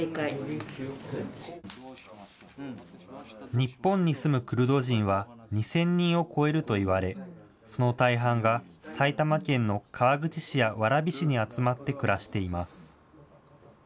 日本に住むクルド人は、２０００人を超えるといわれ、その大半が、埼玉県の川口市や蕨市に集まって暮らしています。